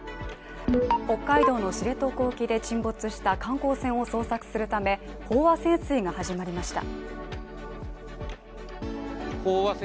北海道の知床沖で沈没した観光船を捜索するため、飽和潜水が始まりました。